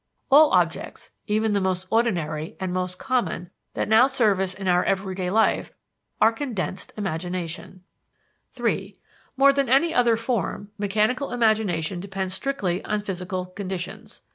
All objects, even the most ordinary and most common that now serve us in our everyday life, are condensed imagination. (III) More than any other form, mechanical imagination depends strictly on physical conditions.